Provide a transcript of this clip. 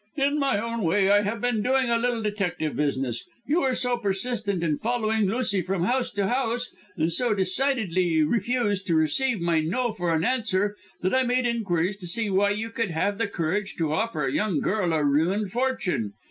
"In my own way I have been doing a little detective business. You were so persistent in following Lucy from house to house, and so decidedly refused to receive my 'No' for her answer, that I made inquiries to see why you could have the courage to offer a young girl a ruined fortune.